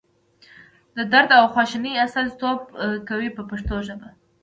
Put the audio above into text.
د درد او خواشینۍ استازیتوب کوي په پښتو ژبه.